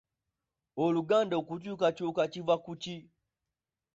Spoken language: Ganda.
Oluganda okukyukakyuka kiva ku ki?